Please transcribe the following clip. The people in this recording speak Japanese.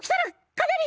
かなり！